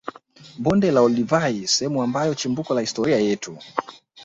Bonde la olduvai sehemu ambayo chimbuko la historia yetu